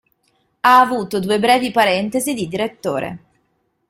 Ha avuto due brevi parentesi di direttore.